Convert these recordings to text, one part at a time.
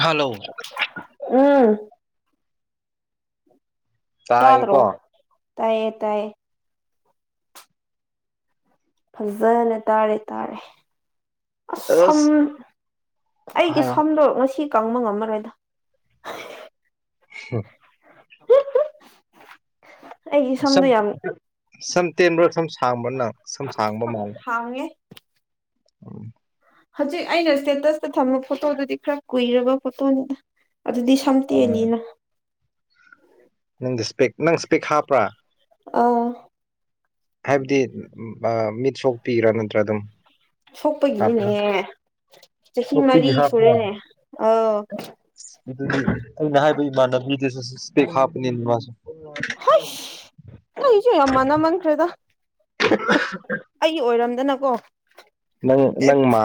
hello ꯑꯥ ꯇꯗ꯭ꯔꯣ ꯇꯥꯏꯀꯣ ꯇꯥꯏꯌꯦ ꯇꯥꯏꯌꯦ ꯐꯖꯅ ꯇꯥꯔꯦ ꯇꯥꯔꯦ ꯑꯁ ꯁꯝ ꯑꯩꯒꯤ ꯍꯥꯏꯌꯣ ꯁꯝꯗꯣ ꯉꯁꯤ ꯀꯪꯕ ꯉꯝꯃꯔꯣꯏꯗ ꯍꯨꯝ ꯑꯩꯒꯤ ꯁꯝꯗꯣ ꯁꯝ ꯌꯥꯝ ꯁꯝ ꯇꯦꯟꯕ꯭ꯔꯥ ꯁꯝ ꯁꯥꯡꯕ꯭ꯔ ꯅꯪ ꯁꯝ ꯁꯥꯡꯕ ꯃꯥꯂꯦ ꯎꯝ ꯍꯧꯖꯤꯛ ꯑꯩꯅ ꯏꯁꯇꯦꯇꯁꯇ ꯊꯝꯕ ꯐꯣꯇꯣꯗꯨꯗꯤ ꯈꯔ ꯀꯨꯏꯔꯕ ꯐꯣꯇꯣꯅꯤꯗ ꯑꯗꯨꯗꯤ ꯁꯝ ꯎꯝ ꯇꯦꯂꯤꯅ ꯅꯪꯗꯤ ꯏꯁꯄꯦꯛ ꯅꯪ ꯏꯁꯄꯦꯛ ꯍꯥꯞꯄ꯭ꯔꯥ ꯑꯧ ꯍꯥꯏꯕꯗꯤ ꯑ ꯃꯤꯠ ꯁꯣꯛ ꯄꯤꯔꯥ ꯅꯠꯇ꯭ꯔꯥ ꯑꯗꯨꯝ ꯍꯞꯄ꯭ꯔ ꯁꯣꯛꯄꯒꯤꯅꯤꯅꯦ ꯆꯍꯤ ꯃꯔꯤ ꯁꯨꯔꯦ ꯑꯥꯎ ꯑꯗꯨꯗꯤ ꯑꯩꯅ ꯍꯥꯏꯕ ꯏꯃꯥꯟꯅꯕꯤꯗꯨꯁꯨ ꯏꯁꯄꯦꯛ ꯍꯥꯞꯄꯅꯤꯅ ꯃꯥꯁꯨ ꯍꯩꯁ ꯅꯪꯖꯤ ꯌꯥꯝ ꯃꯥꯅꯃꯟꯒ꯭ꯔꯦꯗ ꯑꯩꯒꯤ ꯑꯣꯏꯔꯝꯗꯅꯀꯣ ꯅꯪ ꯅꯪ ꯃꯥ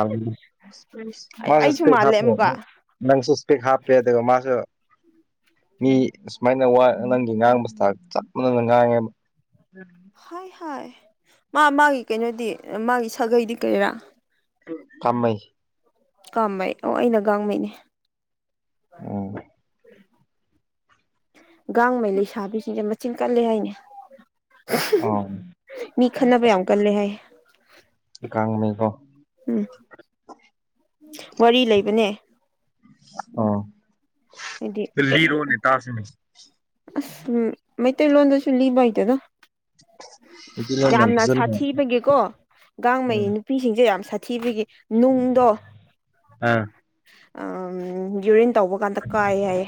ꯑꯦꯁ ꯃꯥꯁꯨ ꯑꯩꯁꯨ ꯏꯁꯄꯦꯛ ꯃꯥꯜꯂꯦ ꯍꯥꯞꯄꯦ ꯑꯃꯨꯛꯀ ꯅꯪꯁꯨ ꯏꯁꯄꯦꯛ ꯍꯥꯞꯄꯦ ꯑꯗꯨꯒ ꯃꯥꯁꯨ ꯃꯤ ꯑꯁꯨꯃꯥꯏꯅ ꯋꯥ ꯅꯪꯒꯤ ꯉꯥꯡꯕ ꯁꯇꯥꯥꯏꯟ ꯆꯞ ꯃꯅꯅ ꯉꯥꯡꯉꯦꯕ [unintelligible] ꯍꯥꯏ ꯍꯥꯏ ꯃꯥ ꯃꯥꯒꯤ ꯀꯩꯅꯣꯗꯤ ꯃꯥꯒꯤ ꯁꯥꯒꯩꯗꯤ ꯀꯩꯔꯥ ꯀꯥꯃꯩ ꯀꯥꯃꯩ ꯑꯣ ꯑꯩꯅ ꯒꯥꯡꯃꯩꯅꯦ ꯑꯣ ꯒꯥꯡꯃꯩ ꯂꯩꯁꯥꯕꯤꯁꯤꯡꯁꯦ ꯃꯆꯤꯟ ꯀꯜꯂꯦ ꯍꯥꯏꯅꯦ ꯑꯣ ꯃꯤ ꯈꯠꯅꯕ ꯌꯥꯝ ꯀꯜꯂꯦ ꯍꯥꯏꯌꯦ ꯒꯥꯡꯃꯩꯀꯣ ꯎꯝ ꯋꯥꯔꯤ ꯂꯩꯕꯅꯦ ꯑꯣ ꯍꯩꯗꯤ ꯄꯨꯟꯁꯤꯔꯣꯟꯅꯤ ꯇꯥꯁꯅꯤ ꯑꯁ ꯎꯝ ꯃꯩꯇꯩ ꯂꯣꯟꯗꯁꯨ ꯂꯤꯕ ꯍꯩꯇꯦꯗ ꯑꯗꯨ ꯂꯣꯟ ꯌꯥꯝ ꯌꯥꯝꯅ ꯐꯖꯅ ꯁꯥꯊꯤꯕꯒꯤꯀꯣ ꯒꯥꯡꯃꯩ ꯎꯝ ꯅꯨ ꯄꯤꯁꯤꯡꯁꯦ ꯌꯥꯝ ꯁꯥꯊꯤꯕꯒꯤ ꯅꯨꯡꯗꯣ ꯑꯥ ꯑꯥꯝ ꯌꯨꯔꯤꯟ ꯇꯧꯕ ꯀꯥꯟꯗ ꯀꯥꯏ ꯍꯥꯏꯌꯦ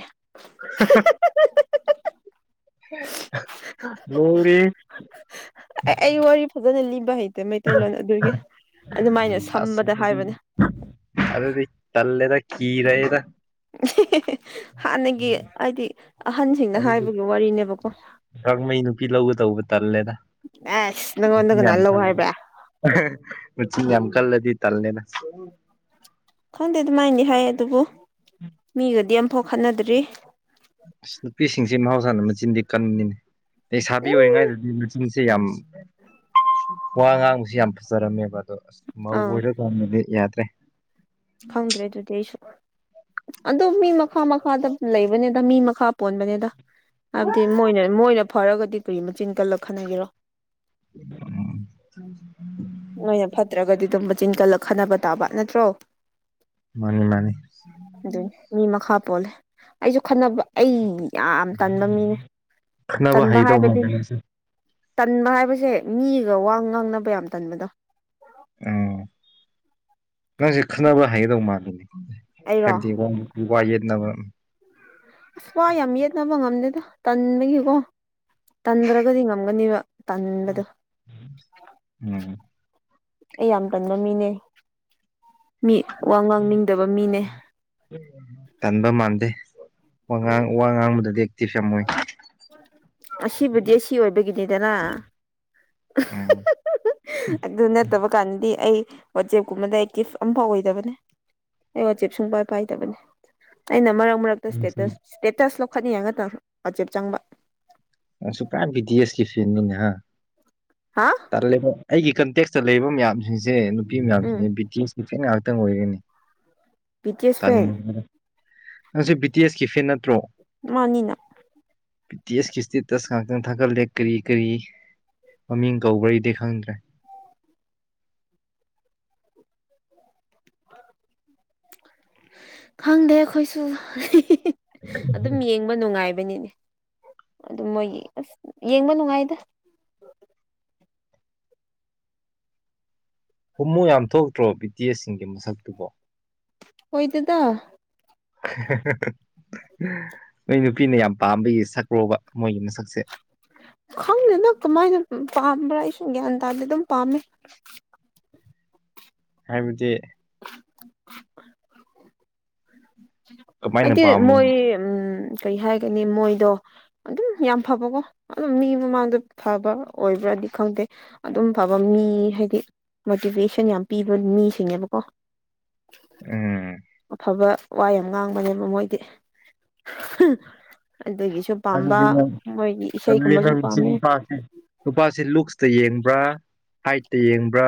ꯂꯣꯏꯔꯦꯍꯦ ꯑꯩ ꯋꯥꯔꯤ ꯐꯖꯅ ꯂꯤꯕ ꯍꯩ ꯇꯦ ꯃꯩꯇꯩꯂꯣꯟ ꯑꯗꯨꯒꯤ ꯑꯗꯨꯃꯥꯏꯅ ꯑꯁ ꯁꯝꯕꯗ ꯍꯥꯏꯕꯅꯦ ꯑꯗꯨꯗꯤ ꯇꯜꯂꯦꯗ ꯀꯤꯔꯦꯗ [unintelligible] ꯍꯥꯟꯅꯒꯤ ꯍꯥꯏꯗꯤ ꯑꯍꯟꯁꯤꯡꯅ ꯍꯥꯏꯕꯒꯤ ꯋꯥꯔꯤꯅꯦꯕꯀꯣ ꯒꯥꯡꯃꯩ ꯅꯨꯄꯤ ꯂꯧ ꯑꯦꯁ ꯅꯪꯉꯣꯟꯗ ꯌꯥꯝ ꯀꯅꯥ ꯂꯧ ꯍꯥꯏꯕ꯭ꯔꯥ ꯃꯆꯤꯟ ꯌꯥꯝ ꯀꯜꯂꯗꯤ ꯇꯜꯂꯦꯗ ꯈꯪꯗꯦ ꯑꯗꯨꯃꯥꯏꯟꯗꯤ ꯍꯥꯏ ꯑꯗꯨꯕꯨ ꯃꯤꯒꯗꯤ ꯑꯝꯐꯥꯎ ꯈꯠꯅꯗ꯭ꯔꯤ ꯑꯁ ꯅꯨꯄꯤꯁꯤꯡꯁꯦ ꯃꯍꯧꯁꯥꯅ ꯃꯆꯤꯟꯗꯤ ꯀꯟꯕꯅꯤꯅꯦ ꯂꯩꯁꯥꯕꯤ ꯑꯣꯏꯔꯤꯉꯩꯗꯗꯤ ꯅꯨ ꯆꯤꯟꯁꯦ ꯌꯥꯝ ꯋꯥ ꯉꯥꯡꯕꯁꯤ ꯌꯥꯝ ꯐꯖꯔꯝꯃꯦꯕ ꯑꯗꯣ ꯑꯁ ꯃꯧ ꯑꯥ ꯑꯣꯏꯔ ꯀꯟꯗꯗꯤ ꯌꯥꯗ꯭ꯔꯦ ꯈꯪꯗ꯭ꯔꯦ ꯑꯗꯨꯗꯤ ꯑꯩꯁꯨ ꯑꯗꯣ ꯃꯤ ꯃꯈꯥ ꯃꯈꯥꯗ ꯂꯩꯕꯅꯦꯗ ꯃꯤ ꯃꯈꯥ ꯄꯣꯟꯕꯅꯦꯗ ꯍꯥꯏꯕꯗꯤ ꯃꯣꯏꯅ ꯃꯣꯏꯅ ꯐꯔꯒꯗꯤ ꯀꯔꯤ ꯃꯆꯤꯟ ꯀꯜꯂ ꯈꯠꯅꯒꯦꯔꯣ [unintelligible] ꯃꯣꯏꯅ ꯐꯠꯇ꯭ꯔꯒꯗꯤ ꯗꯨꯝ ꯃꯆꯤꯟ ꯀꯜꯂ ꯈꯟꯅꯕ ꯇꯥꯕ ꯅꯠꯇ꯭ꯔꯣ ꯃꯥꯅꯦ ꯃꯥꯅꯦ ꯑꯗꯨꯅꯦ ꯃꯤ ꯃꯈꯥ ꯄꯣꯜꯂꯦ ꯑꯩꯖꯨ ꯈꯠꯅꯕ ꯑꯩ ꯌꯥꯝ ꯇꯟꯕ ꯃꯤꯅꯦ ꯈꯠꯅꯕ ꯇꯟꯕ ꯍꯩꯗꯧ ꯃꯥꯜꯂꯦ ꯍꯥꯏꯕꯗꯤꯅꯦ ꯅꯪꯁꯦ ꯇꯟꯕ ꯍꯥꯏꯕꯁꯦ ꯃꯤꯒ ꯋꯥ ꯉꯥꯡꯅꯕ ꯌꯥꯝ ꯇꯟꯕꯗꯣ ꯑꯥꯎ ꯅꯪꯖꯦ ꯈꯠꯅꯕ ꯍꯩꯒꯗꯕ ꯃꯥꯟꯗꯦ ꯑꯩꯔꯣ ꯍꯥꯏꯕꯗꯤ ꯋꯡ ꯎ ꯋꯥ ꯌꯦꯠꯅ ꯑꯁ ꯋꯥ ꯌꯥꯝ ꯌꯦꯠꯅꯕ ꯉꯝꯗꯦꯗ ꯇꯟꯕꯒꯤꯀꯣ ꯇꯟꯗ꯭ꯔꯒꯗꯤ ꯉꯝꯒꯅꯤꯕ ꯇꯟꯕꯗꯨ ꯎꯝ ꯑꯩ ꯌꯥꯝ ꯇꯟꯕ ꯃꯤꯅꯦ ꯃꯤ ꯋꯥ ꯉꯥꯡꯅꯤꯡꯗꯕ ꯃꯤꯅꯦ ꯇꯟꯕ ꯃꯥꯟꯗꯦ ꯋꯥ ꯉꯥꯡ ꯋꯥ ꯉꯥꯡꯕꯗꯥꯗꯤ ꯑꯦꯛꯇꯤꯞ ꯌꯥꯝ ꯃꯣꯏ ꯑꯁꯤꯕꯨꯗꯤ ꯑꯁꯤ ꯑꯣꯏꯕꯒꯤꯅꯤꯗꯅ ꯎꯝ ꯑꯗꯨ ꯅꯠꯇꯕ ꯀꯥꯟꯗꯗꯤ ꯑꯩ ꯋꯥꯆꯦꯞꯀꯨꯝꯕꯗ ꯑꯦꯛꯇꯤꯐ ꯑꯝꯐꯥꯎ ꯑꯣꯏꯗꯕꯅꯦ ꯑꯩ ꯋꯥꯆꯦꯞ ꯁꯨꯡꯄꯥꯏ ꯄꯥꯏꯗꯕꯅꯤ ꯑꯩꯅ ꯃꯔꯛ ꯃꯔꯛ ꯇꯁ ꯁ꯭ꯇꯦꯇꯁ ꯁ꯭ꯇꯦꯇꯁ ꯂꯧꯈꯠꯅꯤꯡꯉꯒ ꯇꯥꯐ ꯑꯆꯦꯞ ꯆꯪꯕ ꯑꯁꯨꯀꯥꯟ ꯕꯤ ꯗꯤ ꯑꯦꯁꯀꯤ ꯐꯦꯟꯅꯤꯅꯦ ꯍꯥ ꯍꯥ ꯑꯜꯂꯦꯕꯣ ꯑꯩꯒꯤ ꯀꯟꯇꯦꯛꯁꯇꯥ ꯂꯩꯕ ꯃꯌꯥꯝꯖꯤꯡꯁꯦ ꯅꯨꯄꯤ ꯃꯌꯥꯝꯁꯤꯡꯁꯦ ꯎꯝ ꯕꯤꯇꯤꯁ [unintelligible] ꯉꯥꯏꯍꯥꯛꯇꯪ ꯑꯣꯏꯒꯅꯤ ꯕꯤ ꯇꯤ ꯑꯦꯁ ꯐꯦꯟ ꯇꯟꯕꯅ ꯅꯪꯁꯤ ꯕꯤ ꯇꯤ ꯑꯦꯁꯀꯤ ꯐꯦꯟ ꯅꯠꯇ꯭ꯔꯣ ꯃꯥꯅꯤꯅ ꯄꯤ ꯇꯤ ꯑꯦꯁ ꯀꯤ ꯁ꯭ꯇꯦꯠ ꯇꯁ ꯉꯥꯛꯇꯪ ꯊꯥꯒꯠꯂꯦ ꯀꯔꯤ ꯀꯔꯤ ꯃꯃꯤꯡ ꯀꯧꯕ꯭ꯔꯩꯗꯤ ꯈꯪꯗ꯭ꯔꯦ ꯈꯪꯗꯦ ꯑꯈꯣꯏꯁꯨ ꯑꯗꯨꯝ ꯌꯦꯡꯕ ꯅꯨꯡꯉꯥꯏꯕꯅꯤꯅꯦ ꯑꯗꯨꯝ ꯃꯣꯏꯒꯤ ꯑꯁ ꯌꯦꯡꯕ ꯅꯨꯡꯉꯥꯏꯗ ꯍꯨꯝꯃꯨ ꯌꯥꯝ ꯊꯣꯛꯇ꯭ꯔꯣ ꯕꯤ ꯇꯤ ꯑꯦꯁ ꯁꯤꯡꯒꯤ ꯃꯁꯛꯇꯨꯕꯣ ꯑꯣꯏꯗꯦꯗ ꯅꯣꯏ ꯅꯨꯄꯤꯅ ꯌꯥꯝ ꯄꯥꯝꯕꯒꯤ ꯁꯛꯀ꯭ꯔꯣꯕ ꯃꯣꯏꯒꯤ ꯃꯁꯛꯁꯦ ꯈꯪꯗꯦꯗ ꯀꯃꯥꯏꯅ ꯄꯥꯝꯕ꯭ꯔꯥ ꯑꯩꯁꯨ ꯒ꯭ꯌꯥꯟ ꯇꯥꯗꯦ ꯑꯗꯨꯝ ꯄꯥꯝꯃꯦ ꯍꯥꯏꯕꯗꯤ [unintelligible] ꯀꯃꯥꯏꯅ ꯍꯥꯏꯗꯤ ꯄꯥꯝꯕ ꯃꯣꯏ ꯎꯝ ꯀꯩ ꯍꯥꯏꯒꯅꯤ ꯃꯣꯏꯗꯣ ꯑꯗꯨꯝ ꯌꯥꯝ ꯐꯕꯀꯣ ꯑꯗꯨꯝ ꯃꯤ ꯃꯃꯥꯡꯗ ꯐꯕ ꯑꯣꯏꯕ꯭ꯔꯥꯗꯤ ꯈꯪꯗꯦ ꯑꯗꯨꯝ ꯐꯕ ꯃꯤ ꯍꯥꯏꯗꯤ ꯃꯣꯇꯤꯚꯦꯁꯟ ꯌꯥꯝ ꯄꯤꯕ ꯃꯤꯁꯤꯡꯅꯦꯕꯀꯣ ꯎꯝ ꯋꯥ ꯋꯥ ꯌꯥꯝ ꯉꯥꯡꯕꯅꯦꯕ ꯃꯣꯏꯗꯤ ꯑꯗꯨꯒꯤ ꯁꯨꯝ ꯑꯗꯨꯗꯤ ꯃꯣꯏ ꯑꯗꯨꯗꯤ ꯃꯣꯏ ꯆꯤꯟ ꯄꯥꯝꯃꯦ ꯄꯥꯔꯇꯤ ꯅꯨꯄꯥꯁꯤ ꯂꯨꯛꯁꯇꯥ ꯌꯦꯡꯕ꯭ꯔꯥ ꯍꯥꯏꯠꯇꯥ ꯌꯦꯡꯕ꯭ꯔꯥ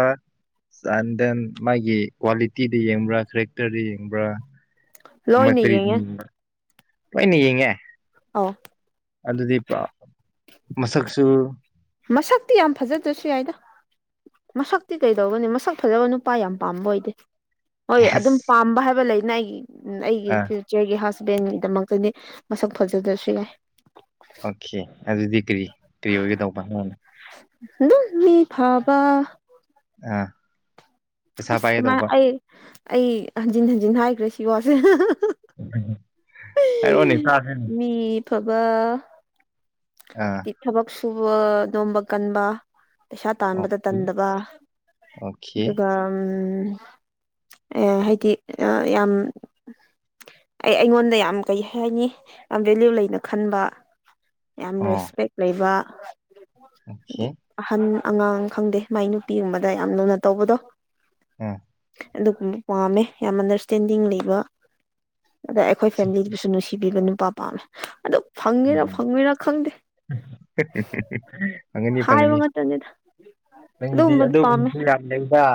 ꯆꯥꯟꯗꯦꯟ ꯃꯥꯒꯤ ꯀ꯭ꯋꯥꯂꯤꯇꯤꯗ ꯌꯦꯡꯕ꯭ꯔꯥ ꯀꯦꯔꯦꯛꯇꯔꯗ ꯌꯦꯡꯕ꯭ꯔꯥ ꯂꯣꯏꯅ ꯌꯦꯡꯉꯦ [unintelligible] ꯂꯣꯏꯅ ꯌꯦꯡꯉꯦ ꯑꯧ ꯑꯗꯨꯗꯤ ꯄꯨꯔꯥ ꯃꯁꯛꯁꯨ ꯃꯁꯛꯇꯤ ꯌꯥꯝ ꯐꯖꯗ꯭ꯔꯥꯁꯨ ꯌꯥꯏꯗ ꯃꯁꯛꯇꯤ ꯀꯩꯗꯧꯒꯅꯤ ꯃꯁꯛ ꯐꯖꯕ ꯅꯨꯄꯥ ꯌꯥꯝ ꯄꯥꯝꯕ ꯑꯣꯏꯗꯦ ꯍꯣꯏ ꯑꯗꯨꯝ ꯑꯦꯁ ꯄꯥꯝꯕ ꯍꯥꯏꯕ ꯂꯩꯅ ꯑꯩꯒꯤ ꯑꯩꯒꯤ ꯑꯥ ꯏꯊꯤꯜ ꯆꯔꯒꯤ ꯍꯁꯕꯦꯟꯒꯤꯗꯃꯛꯇꯥꯗꯤ ꯃꯁꯛ ꯐꯖꯗ꯭ꯔꯥꯁꯨ ꯌꯥꯏ ꯑꯣꯈꯦ ꯑꯗꯨꯗꯤ ꯀꯔꯤ ꯀꯔꯤ ꯑꯣꯏꯒꯗꯧꯕ [unintelligible] ꯗꯨꯝ ꯃꯤ ꯐꯕ ꯑꯥ ꯄꯩꯁꯥ ꯑꯁ ꯀꯃꯥꯏ ꯄꯥꯏꯒꯗꯧꯕ ꯑꯩ ꯑꯩ ꯍꯟꯖꯤꯟ ꯍꯟꯖꯤꯟ ꯍꯥꯏꯈ꯭ꯔꯦ ꯁꯤ ꯋꯥꯁꯦ ꯍꯥꯏꯔꯣꯅꯦ ꯇꯥꯒꯥꯅꯤ ꯃꯤ ꯐꯕꯥ ꯑꯥ ꯊꯕꯛ ꯁꯨꯕꯗꯣꯝꯕ ꯀꯟꯕ ꯄꯩꯁꯥ ꯇꯥꯟꯕꯗ ꯑꯣꯀꯦ ꯇꯟꯗꯕ ꯑꯣꯀꯦ ꯑꯗꯨꯒ ꯎꯝ ꯑꯦ ꯍꯥꯏꯗꯤ ꯌꯥꯝ ꯑꯩ ꯑꯩꯉꯣꯟꯗ ꯌꯥꯝ ꯀꯩ ꯍꯥꯏꯅꯤ ꯌꯥꯝ ꯚꯦꯂꯌꯨ ꯂꯩꯅ ꯈꯟꯕ ꯌꯥꯝ ꯔꯦꯁꯄꯦꯛ ꯂꯩꯕ ꯍꯥꯏꯗꯤ ꯑꯣ ꯑꯍꯟ ꯑꯉꯥꯡ ꯈꯪꯗꯦ ꯃꯥꯏ ꯅꯨꯄꯤꯒꯨꯝꯕꯗ ꯌꯥꯝ ꯂꯨꯅ ꯇꯧꯕꯗꯣ ꯎꯝ ꯑꯗꯨꯒꯨꯝꯕ ꯄꯥꯝꯃꯦ ꯌꯥꯝ ꯑꯟꯗꯔꯁꯇꯦꯟꯗꯤꯡ ꯂꯩꯕ ꯑꯗ ꯑꯩꯈꯣꯏ ꯐꯦꯃꯤꯂꯤꯗꯨꯁꯨ ꯅꯨꯡꯁꯤꯕꯤꯕ ꯅꯨꯄꯥ ꯄꯥꯝꯃꯦ ꯑꯗꯨ ꯐꯪꯉꯦꯔꯥ ꯎꯝ ꯐꯪꯉꯣꯏꯔꯥ ꯈꯪꯗꯦ ꯐꯪꯒꯅꯤ ꯍꯥꯏꯕ ꯐꯪꯒꯅꯤ ꯉꯥꯛꯇꯅꯤꯗ ꯅꯪꯒꯤꯗꯤ ꯑꯗꯨꯒꯨꯝꯕꯗꯨ ꯄꯥꯝꯃꯦ ꯑꯗꯨꯒꯨꯝꯕꯁꯨ ꯌꯥꯝ ꯂꯩꯕ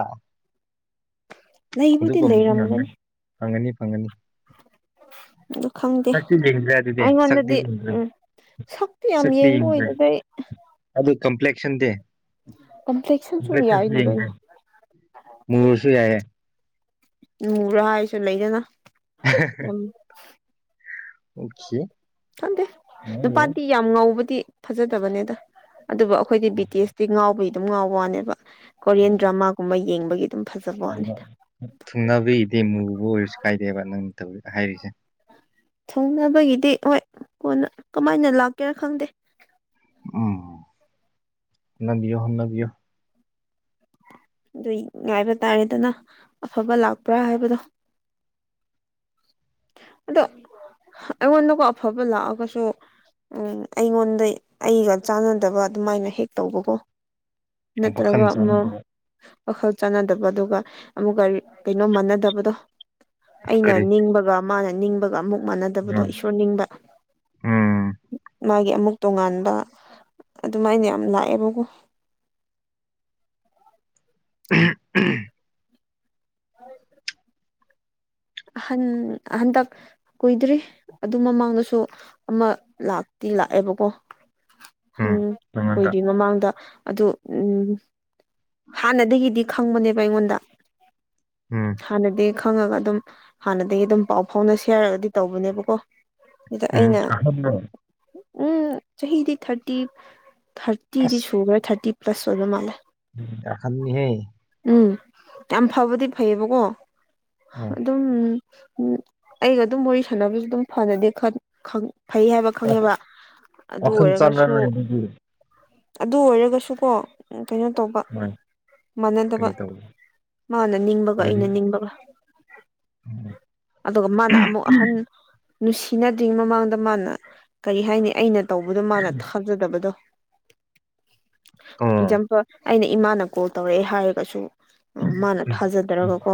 ꯂꯩꯕꯨꯗꯤ ꯑꯗꯨꯗꯄ ꯉꯅ ꯂꯩꯔꯝꯒꯅꯤ ꯐꯪꯒꯅꯤ ꯐꯪꯒꯅꯤ ꯑꯗꯨ ꯈꯪꯗꯦ ꯁꯛꯇꯤ ꯌꯦꯡꯗ꯭ꯔꯦ ꯑꯗꯨꯗꯤ ꯁꯛꯇꯤ ꯑꯩꯉꯣꯟꯗꯗꯤ ꯌꯦꯡꯗ꯭ꯔꯦ ꯎꯝ ꯁꯛꯇꯤ ꯌꯥꯝ ꯌꯦꯡꯕ ꯑꯣꯏꯗꯁꯩ ꯑꯗꯨꯗ ꯀꯝꯄ꯭ꯂꯦꯛꯁꯟꯗꯦ ꯀꯝꯄ꯭ꯂꯦꯛꯁꯟꯁꯨ ꯌꯥꯏꯅ ꯀꯩꯅꯣ ꯃꯁꯨ ꯌꯥꯏ ꯅꯔꯥ ꯍꯥꯏꯁꯨ ꯂꯩꯗꯅ ꯌꯥꯝ [unintelligible] ꯑꯣ ꯈꯗꯦ ꯅꯨꯄꯥꯗꯤ ꯌꯥꯝ ꯉꯧꯕꯗꯤ ꯐꯖꯗꯕꯅꯦꯗ ꯑꯗꯨꯕꯨ ꯑꯩꯈꯣꯏꯗꯤ ꯕ꯭ꯔꯤꯇꯤꯁꯇꯤ ꯉꯥꯎꯕꯒꯤ ꯑꯗꯨꯝ ꯉꯥꯎ ꯋꯥꯅꯦꯕ ꯀꯣꯔꯤꯌꯟ ꯗ꯭ꯔꯃꯥꯒꯨꯝꯕ ꯌꯦꯡꯕꯒꯤ ꯑꯗꯨꯝ ꯐꯖ ꯊꯨꯡꯅꯕꯤꯗꯤꯦ ꯃꯨꯕ ꯑꯣꯏꯔꯁꯨ ꯀꯥꯏꯗꯦꯕ ꯅꯪꯧ ꯍꯥꯏꯔꯤꯁꯦ ꯊꯣꯡꯅꯕꯒꯤꯗꯤ ꯍꯣꯏ ꯀꯣꯟꯅ ꯀꯃꯥꯏꯅ ꯂꯥꯛꯀꯦꯔꯥ ꯈꯪꯗꯦ ꯎꯝꯅꯕꯤꯌꯣ ꯍꯅꯕꯤꯌꯣ ꯑꯗꯨ ꯉꯥꯏꯕ ꯇꯥꯔꯦꯗꯅ ꯑꯐꯕ ꯂꯥꯛꯄ꯭ꯔꯥ ꯍꯥꯏꯕꯗꯣ ꯑꯗꯣ ꯑꯩꯉꯣꯟꯗꯀꯣ ꯑꯐꯕ ꯂꯥꯛꯑꯒꯁꯨ ꯎꯝ ꯑꯩꯉꯣꯟꯗ ꯑꯩꯒ ꯆꯥꯟꯅꯗꯕ ꯑꯗꯨꯃꯥꯏꯅ ꯍꯦꯛ ꯇꯧꯕꯀꯣ ꯋꯥꯈꯜ ꯅꯠꯇ꯭ꯔꯒ ꯑꯃ ꯆꯪꯗꯕ ꯋꯥꯈꯜ ꯆꯥꯟꯅꯗꯕ ꯑꯗꯨꯒ ꯑꯃꯨꯛ ꯒꯥꯔꯤ ꯀꯩꯅꯣ ꯃꯥꯟꯅꯗꯕꯗꯣ ꯑꯩꯅ ꯀꯔꯤ ꯅꯤꯡꯕꯒ ꯃꯥꯅ ꯅꯤꯡꯕꯒ ꯑꯃꯨꯛ ꯃꯥꯟꯅꯗꯕꯗꯣ ꯎꯝ ꯏ ꯔꯅꯤꯡꯗ ꯎꯝ ꯃꯥꯒꯤ ꯑꯃꯨꯛ ꯇꯣꯉꯥꯟꯕ ꯑꯗꯨꯃꯥꯏꯅ ꯌꯥꯝ ꯂꯥꯛꯑꯦꯕꯀꯣ ꯎꯝ ꯎꯝ ꯍꯟ ꯍꯟꯗ ꯀꯨꯏꯗ꯭ꯔꯤ ꯑꯗꯨ ꯃꯃꯥꯡꯗꯁꯨ ꯑꯃ ꯂꯥꯛꯇꯤ ꯂꯥꯛꯑꯦꯕꯀꯣ ꯎꯝ ꯑꯣꯏꯣꯏꯗꯣꯏ ꯃꯃꯥꯡꯗ ꯑꯗꯨ ꯎꯝ ꯍꯥꯟꯅꯗꯒꯤꯗꯤ ꯈꯪꯕꯅꯦꯕ ꯑꯩꯉꯣꯟꯗ ꯎꯝ ꯍꯥꯟꯅꯗꯤ ꯈꯪꯉꯒ ꯑꯗꯨꯝ ꯍꯥꯟꯅꯗꯒꯤ ꯑꯗꯨꯝ ꯄꯥꯎ ꯐꯥꯎꯅ ꯁꯤ ꯍꯥꯏꯔꯒꯗꯤ ꯇꯧꯕꯅꯦꯕꯀꯣ ꯑꯗꯨꯗ ꯎꯝ ꯑꯩꯅ ꯑꯍꯟꯔꯣ ꯎꯝ ꯆꯍꯤꯗꯤ ꯊꯥꯔꯇꯤ ꯊꯔ ꯇꯤꯗꯤ ꯑꯁ ꯁꯈ꯭ꯔꯦ ꯊꯥꯔꯇꯤ ꯄ꯭ꯂꯁ ꯑꯣꯏꯕ ꯃꯥꯜꯂꯦ ꯑꯍꯟꯅꯤꯍꯦ ꯎꯝ ꯌꯥꯝ ꯐꯕꯗꯤ ꯐꯩꯌꯦꯕꯀꯣ ꯎꯝ ꯑꯗꯨꯝ ꯎꯝ ꯑꯩꯒ ꯑꯗꯨꯝ ꯋꯥꯔꯤ ꯁꯥꯟꯅꯕꯁꯨ ꯑꯗꯨꯝ ꯐꯅꯗꯦ ꯐꯩ ꯍꯥꯏꯕ ꯑꯣ ꯈꯪꯉꯦꯕ ꯑꯗꯨ ꯋꯥꯈꯜ ꯑꯣꯏꯔꯒꯁꯨ ꯆꯪꯉꯔꯣꯏ ꯑꯗꯨꯗꯤ ꯑꯗꯨ ꯑꯣꯏꯔꯒꯁꯨꯀꯣ ꯀꯩꯅꯣ ꯇꯧꯕ ꯃꯥꯒꯤ ꯃꯥꯟꯅꯗꯕ ꯃꯥꯅ ꯅꯤꯡꯕꯒ ꯑꯩꯅ ꯅꯤꯡꯕꯒ ꯎꯝ ꯑꯗꯨꯒ ꯃꯥꯅ ꯑꯃꯨꯛ ꯑꯍꯟ ꯅꯨꯡꯁꯤꯅꯗ꯭ꯔꯤꯉꯩ ꯃꯃꯥꯡꯗ ꯃꯥꯅ ꯀꯔꯤ ꯍꯥꯏꯅꯤ ꯑꯩꯅ ꯇꯧꯕꯗꯣ ꯃꯥꯅ ꯊꯥꯖꯗꯕꯗꯣ ꯑꯣ ꯑꯦꯛꯖꯥꯝꯄꯜ ꯑꯩꯅ ꯏꯃꯥꯅ ꯀꯣꯜ ꯇꯧꯔꯛꯑꯦ ꯍꯥꯏꯔꯒꯁꯨ ꯃꯥꯅ ꯎꯝ ꯊꯥꯖꯗꯔꯒꯀꯣ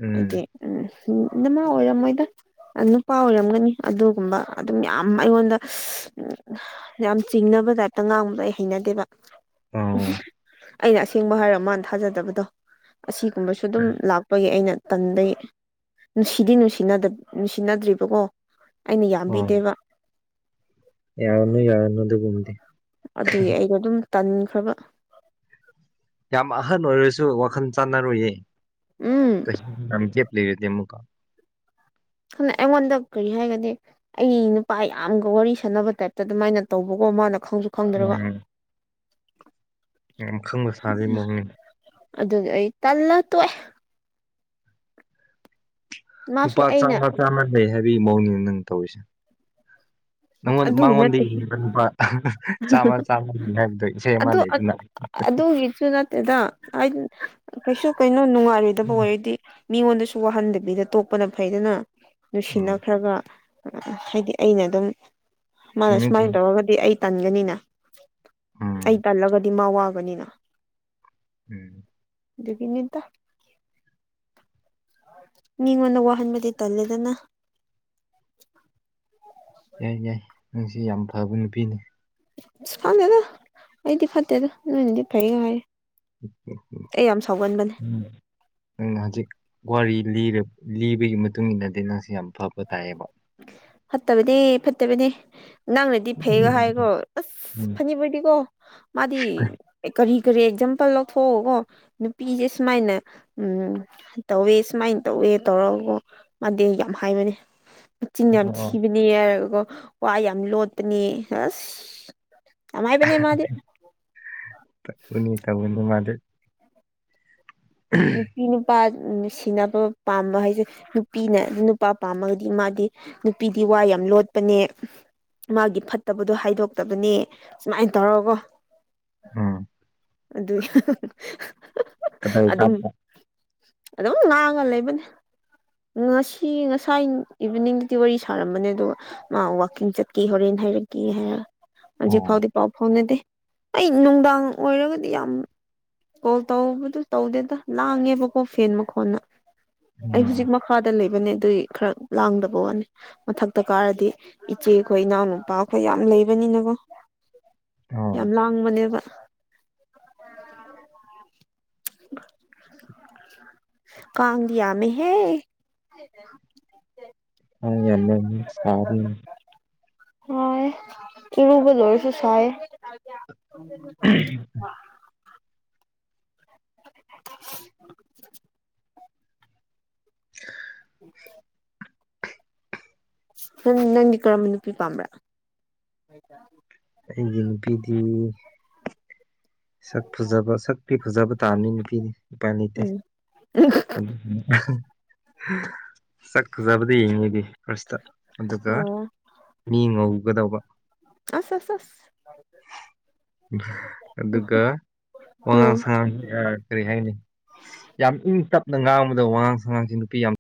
ꯎꯝ ꯍꯥꯏꯗꯤ ꯎꯝ ꯎ ꯏꯅꯝꯃ ꯑꯣꯏꯔꯝ ꯃꯣꯏꯗ ꯅꯨꯄꯥ ꯑꯣꯏꯔꯝꯒꯅꯤ ꯑꯗꯨꯒꯨꯝꯕ ꯑꯗꯨꯝ ꯌꯥꯝ ꯑꯩꯉꯣꯟꯗ ꯎ ꯌꯥꯝ ꯆꯤꯡꯅꯕ ꯇꯥꯏꯞꯇ ꯉꯥꯡꯕꯗ ꯑꯩ ꯍꯩꯅꯗꯦꯕ ꯎ ꯑꯣ ꯑꯩꯅ ꯑꯁꯦꯡꯕ ꯍꯥꯏꯔ ꯃꯥꯟ ꯊꯥꯖꯗꯕꯗꯣ ꯑꯁꯤꯒꯨꯝꯕꯁꯨ ꯑꯗꯨꯝ ꯂꯥꯛꯄꯒꯤ ꯑꯩꯅ ꯇꯟꯗꯒꯤ ꯅꯨꯡꯁꯤꯗꯤ ꯅꯨꯡꯁꯤꯅꯗ ꯅꯨꯡꯁꯤꯅꯗ꯭ꯔꯤꯕꯀꯣ ꯑꯩꯅ ꯌꯥꯝꯕꯤꯗꯦꯕ ꯌꯥꯔꯨꯅꯨ ꯌꯥꯔꯨꯅꯨ ꯗꯨꯒꯨꯝꯗꯤ ꯑꯗꯨꯒꯤ ꯑꯩꯗꯣ ꯑꯗꯨꯝ ꯇꯟꯈ꯭ꯔꯕ ꯌꯥꯝ ꯑꯍꯟ ꯑꯣꯏꯔꯁꯨ ꯋꯥꯈꯜ ꯆꯥꯟꯅꯔꯣꯏꯌꯦ ꯎꯝ ꯌꯥꯝ ꯒꯦꯞꯂꯤꯔꯗꯤ ꯑꯃꯨꯛꯀ ꯈꯪꯅ ꯑꯩꯉꯣꯟꯗ ꯀꯔꯤ ꯍꯥꯏꯒꯅꯤ ꯑꯩ ꯅꯨꯄꯥ ꯌꯥꯝꯒ ꯋꯥꯔꯤ ꯁꯥꯟꯅꯕ ꯇꯥꯏꯞꯇ ꯑꯗꯨꯃꯥꯏꯅ ꯇꯧꯕꯀꯣ ꯃꯥꯅ ꯈꯪꯁꯨ ꯈꯪꯗ꯭ꯔꯒ ꯎꯝ ꯈꯪꯕ ꯁꯥꯕꯒꯤ ꯃꯑꯣꯡꯅꯤ ꯑꯗꯨꯗꯤ ꯑꯩ ꯇꯜꯂ ꯇꯣꯛꯑꯦ ꯃꯥꯁꯨ ꯅꯨꯄꯥ ꯑꯩꯅ ꯆꯥꯝꯃ ꯆꯥꯝꯃ ꯂꯩ ꯍꯥꯏꯕꯒꯤ ꯃꯧꯑꯣꯡꯅꯤ ꯅꯪ ꯇꯧꯔꯤꯁꯦ ꯅꯉꯣꯟ ꯑꯗꯨꯒꯤ ꯃꯉꯣꯟꯗ ꯅꯠꯇꯦ ꯂꯨꯄꯥ ꯆꯥꯃ ꯆꯥꯝꯃꯅꯤ ꯍꯥꯏꯕꯗꯣ ꯏꯁꯩ ꯑꯃ ꯑꯗꯨ ꯂꯩ ꯗꯅ ꯑꯗꯨꯒꯤꯁꯨ ꯅꯠꯇꯦꯗ ꯍꯥꯏ ꯀꯩꯁꯨ ꯀꯩꯅꯣ ꯅꯨꯡꯉꯥꯏꯔꯣꯏꯗꯕ ꯑꯣꯏꯔꯗꯤ ꯃꯤꯉꯣꯟꯗꯁꯨ ꯋꯥꯍꯟꯗꯕꯤꯗ ꯇꯣꯛꯄꯅ ꯐꯩꯗꯅ ꯎꯝ ꯅꯨꯡꯁꯤꯅꯈ꯭ꯔꯒ ꯎ ꯍꯥꯏꯗꯤ ꯑꯩꯅ ꯑꯗꯨꯝ ꯃꯥꯅ ꯆꯨꯝꯃꯦ ꯁꯨꯃꯥꯏꯅ ꯆꯨꯝꯃꯦ ꯇꯧꯔꯒꯗꯤ ꯑꯩ ꯇꯟꯒꯅꯤꯅ ꯎꯝ ꯑꯩ ꯇꯜꯂꯒꯗꯤ ꯃꯥ ꯋꯥꯒꯅꯤꯅ ꯎꯝ ꯑꯗꯨꯒꯤꯅꯤꯗ ꯃꯤꯉꯣꯟꯗ ꯋꯥꯍꯟꯕꯗꯤ ꯇꯜꯂꯦꯗꯅ [inaudible] ꯌꯥꯏ ꯌꯥꯏ ꯅꯪꯁꯤ ꯌꯥꯝ ꯐꯕ ꯅꯨꯄꯤꯅꯤ ꯈꯡꯗꯦꯗ ꯑꯩꯗꯤ ꯐꯠꯇꯦꯗ ꯅꯣꯏꯅꯗꯤ ꯐꯩ ꯍꯥꯏꯌꯦ ꯎ ꯎ ꯎ ꯑꯩ ꯌꯥꯝ ꯁꯥꯎꯒꯟꯕꯅꯦ ꯎꯝ [unintelligible] ꯅꯪ ꯍꯧꯖꯤꯛ ꯋꯥꯔꯤ ꯂꯤꯔ ꯂꯤꯕꯒꯤ ꯃꯇꯨꯡ ꯏꯟꯅꯗꯤ ꯅꯪꯁꯤ ꯌꯥꯝ ꯐꯕ ꯇꯥꯏꯑꯕ ꯐꯠꯇꯕꯅꯦ ꯐꯠꯇꯕꯅꯦ ꯅꯪꯅꯗꯤ ꯐꯩꯒ ꯍꯥꯏꯑꯀꯣ ꯑꯁ ꯎꯝ ꯐꯅꯤꯄꯨꯔꯗꯤꯀꯣ ꯃꯥꯗꯤ ꯀꯔꯤ ꯀꯔꯤ ꯑꯦꯛꯖꯥꯝꯄꯜ ꯂꯧꯊꯣꯛꯎꯑꯒꯀꯣ ꯅꯨꯄꯤꯁꯦ ꯁꯨꯃꯥꯏꯅ ꯎꯝ ꯇꯧꯋꯦ ꯁꯨꯃꯥꯏꯅ ꯇꯧꯋꯦ ꯇꯧꯔꯒꯀꯣ ꯃꯥꯗꯤ ꯌꯥꯝ ꯍꯥꯏꯕꯅꯦ ꯆꯤꯡꯅꯝ [unintelligible] ꯋꯥ ꯌꯥꯝ ꯂꯣꯠꯄꯅꯤ ꯑꯁ ꯌꯥꯝ ꯍꯥꯏꯕꯅꯦ ꯃꯥꯗꯤ ꯇꯒꯅꯤ ꯇꯧꯒꯅꯤ ꯃꯥꯗꯤ ꯎꯝ ꯅꯨꯄꯥ ꯅꯨꯡꯁꯤꯅꯕ ꯄꯥꯝꯕ ꯍꯥꯏꯁꯦ ꯅꯨꯄꯤꯅ ꯑꯗꯨ ꯅꯨꯄꯥ ꯄꯥꯝꯃꯒꯗꯤ ꯃꯥꯗꯤ ꯅꯨꯄꯤꯗꯤ ꯋꯥ ꯌꯥꯝ ꯂꯣꯠꯄꯅꯦ ꯃꯥꯒꯤ ꯐꯠꯇꯕꯗꯣ ꯍꯥꯏꯗꯣꯛꯇꯕꯅꯦ ꯁꯨꯃꯥꯏꯅ ꯇꯧꯔꯒꯣ ꯎꯝ ꯑꯗꯨ [unintelligible] ꯀꯗꯥꯏ ꯑꯗꯨꯝ ꯀꯥꯞꯄ ꯑꯗꯨꯝ ꯉꯥꯡꯉ ꯂꯩꯕꯅꯤ ꯉꯁꯤ ꯉꯁꯥꯏ ꯏꯚꯤꯅꯤꯡꯗꯨꯗꯤ ꯋꯥꯔꯤ ꯁꯥꯔꯝꯕꯅꯦ ꯑꯗꯨꯒ ꯃꯥ ꯋꯥꯋꯥꯛꯀꯤꯡ ꯆꯠꯈꯤ ꯍꯣꯔꯦꯟ ꯍꯥꯏꯔꯛꯀꯦ ꯍꯥꯏꯔ ꯍꯧꯖꯤꯛ ꯑꯣ ꯐꯥꯎꯗꯤ ꯄꯥꯎ ꯐꯥꯎꯅꯗꯦ ꯑꯩ ꯅꯨꯡꯗꯥꯡ ꯑꯣꯏꯔꯒꯗꯤ ꯌꯥꯝ ꯀꯣꯜ ꯇꯧꯕꯗꯨ ꯇꯧꯗꯦꯗ ꯂꯥꯡꯉꯦꯕꯀꯣ ꯐꯦꯟ ꯃꯈꯣꯟꯅ ꯑꯩ ꯎꯝ ꯍꯧꯖꯤꯛ ꯃꯈꯗ ꯂꯩꯕꯅꯦ ꯑꯗꯨꯏ ꯈꯔ ꯂꯥꯡꯗꯕ ꯋꯥꯅꯤ ꯃꯊꯛꯇ ꯀꯥꯔꯗꯤ ꯏꯆꯦꯈꯣꯏ ꯏꯅꯥꯎꯅꯨꯄꯥꯈꯣꯏ ꯌꯥꯝ ꯂꯩꯕꯅꯤꯅꯀꯣ ꯑꯣ ꯌꯥꯝ ꯂꯥꯡꯕꯅꯦꯕ [unintelligible] ꯀꯥꯡꯗꯤ ꯌꯝꯃꯦ ꯍꯦ ꯀꯥꯡ ꯌꯝꯃꯗ [unintelligible] ꯁꯥꯏ ꯌꯦ ꯏꯔꯨꯕ ꯂꯣꯏꯔꯁꯨ ꯁꯥꯏ ꯌꯦ ꯎ [unintelligible] [inaudible] [unintelligible] [inaudible] ꯎꯝ [unintelligible] ꯅꯪ ꯅꯪꯒꯤ ꯀꯔꯝꯕ ꯅꯨꯄꯤ ꯄꯥꯝꯕ꯭ꯔꯥ ꯑꯩꯒꯤ ꯅꯨꯄꯤꯗꯤ ꯁꯛ ꯐꯖꯕ ꯁꯛ ꯐꯖꯕ ꯇꯥꯕꯅꯤ ꯅꯨꯄꯤꯅꯤ ꯎꯄꯥꯏ ꯂꯩꯇꯦ ꯎꯝ ꯁꯛ ꯐꯖꯥꯕꯗꯤ ꯌꯦꯡꯉꯤꯗꯤ ꯐꯔꯁꯇ ꯑꯗꯨꯒ ꯑꯣ ꯃꯤ ꯉꯧꯒꯗꯧꯕ ꯑꯁ ꯑꯁ ꯑꯁ ꯑꯗꯨꯒ ꯋꯥꯉꯥꯡ ꯎꯝ ꯁꯉꯥꯡ ꯀꯔꯤ ꯍꯥꯏꯅꯤ ꯌꯥꯝ ꯏꯪ ꯇꯞꯅ ꯉꯥꯡꯕꯗ ꯋꯥꯉꯥꯡ ꯁꯉꯥꯡꯁꯤ ꯅꯨꯄꯤ ꯌꯥꯝ